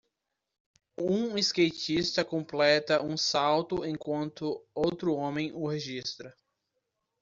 Um skatista completa um salto enquanto outro homem o registra.